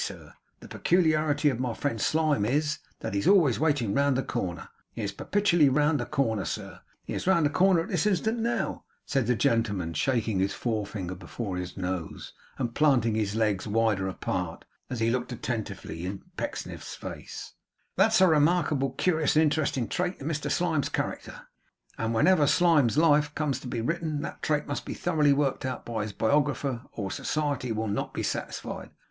Sir, the peculiarity of my friend Slyme is, that he is always waiting round the corner. He is perpetually round the corner, sir. He is round the corner at this instant. Now,' said the gentleman, shaking his forefinger before his nose, and planting his legs wider apart as he looked attentively in Mr Pecksniff's face, 'that is a remarkably curious and interesting trait in Mr Slyme's character; and whenever Slyme's life comes to be written, that trait must be thoroughly worked out by his biographer or society will not be satisfied.